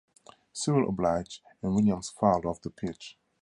Sewell obliged, and Williams fouled off the pitch.